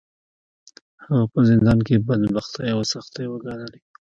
هغه په زندان کې بدبختۍ او سختۍ وګاللې.